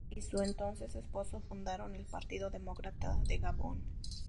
Ella y su entonces esposo fundaron el Partido Demócrata de Gabón.